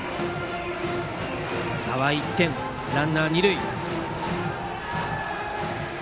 差は１点、ランナー二塁。